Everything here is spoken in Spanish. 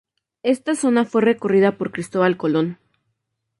Esta zona fue recorrida por Cristóbal Colón.